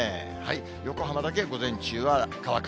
横浜だけ午前中は乾く。